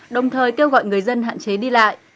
đồng thời kêu gọi người dân hạn chế đi lại